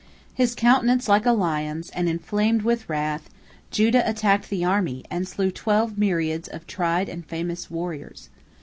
His countenance like a lion's and inflamed with wrath, Judah attacked the army, and slew twelve myriads of tried and famous warriors.